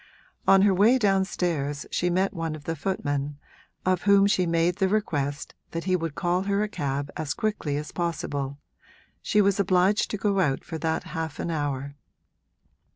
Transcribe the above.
On her way downstairs she met one of the footmen, of whom she made the request that he would call her a cab as quickly as possible she was obliged to go out for half an hour.